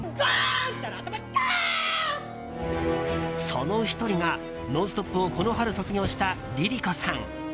その１人が「ノンストップ！」をこの春卒業したＬｉＬｉＣｏさん。